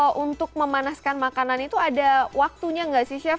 kalau untuk memanaskan makanan itu ada waktunya nggak sih chef